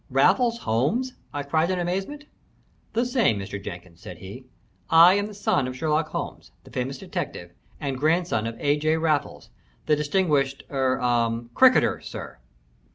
"Raffles Holmes?" I cried in amazement. "The same, Mr. Jenkins," said he. "I am the son of Sherlock Holmes, the famous detective, and grandson of A. J. Raffles, the distinguished er ah cricketer, sir."